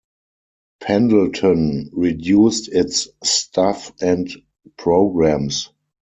Pendleton reduced its staff and programs.